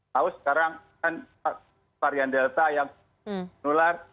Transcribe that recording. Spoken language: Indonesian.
tahu sekarang kan varian delta yang menular